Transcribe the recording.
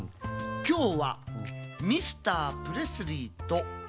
「今日はミスタープレスリーと食事に行った。